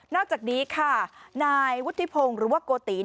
อกจากนี้ค่ะนายวุฒิพงศ์หรือว่าโกติน